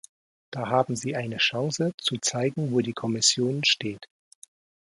Da haben Sie eine Chance zu zeigen, wo die Kommission steht.